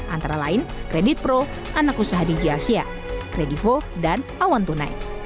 antara lain kredit pro anak usaha digi asia kredivo dan awan tunai